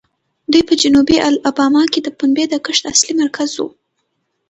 دوی په جنوبي الاباما کې د پنبې د کښت اصلي مرکز وو.